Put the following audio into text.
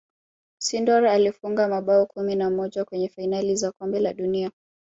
sindor alifunga mabao kumi na moja kwenye fainali za kombe la dunia